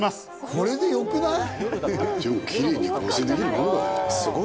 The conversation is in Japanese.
これで良くない？